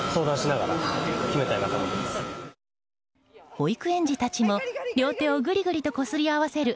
保育園児たちも両手をぐりぐりとこすり合わせる